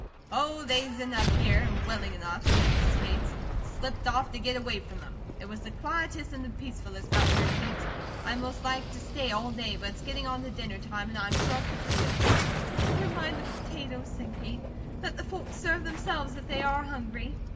"Oh, they's enough here, and willing enough," said Mrs. Bates. "Slipped off to get away from them. It was the quietest and the peacefullest out there, Kate. I'd most liked to stay all day, but it's getting on to dinner time, and I'm short of potatoes." "Never mind the potatoes," said Kate. "Let the folks serve themselves if they are hungry."